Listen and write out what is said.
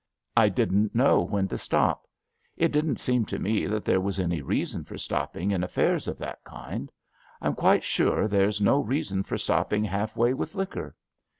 I didn't know when to stop. It didn't seem to me that there was any reason for stopping in affairs of that kind. I'm quite sure there's no reason for stopping half way with liquor.